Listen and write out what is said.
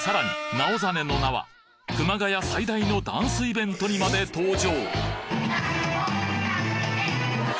直実の名は熊谷最大のダンスイベントにまで登場！